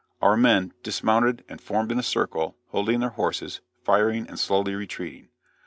Our men, dismounted and formed in a circle, holding their horses, firing and slowly retreating.